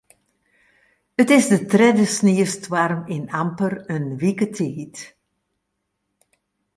It is de tredde sniestoarm yn amper in wike tiid.